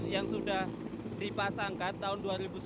yang sudah dipasangkan tahun dua ribu sepuluh